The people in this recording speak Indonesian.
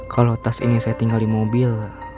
kalau tas ini saya tinggal di mobil